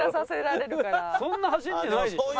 そんな走ってないでしょ。